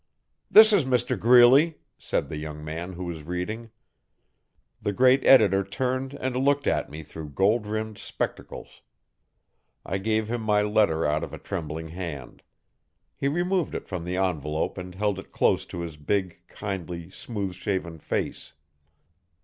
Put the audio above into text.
'This is Mr Greeley,' said the young man who was reading. The great editor turned and looked at me through gold rimmed spectacles. I gave him my letter out of a trembling hand. He removed it from the envelope and held it close to his big, kindly, smooth shaven face.